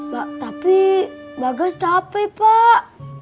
pak tapi bagas capek pak